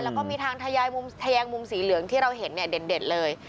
แล้วก็มีทางทะแยงมุมสีเหลืองที่เราเห็นเนี่ยเด่นเลย